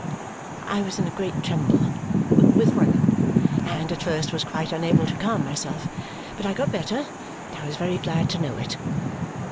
I was in a great tremble with running and at first was quite unable to calm myself; but I got better, and I was very glad to know it.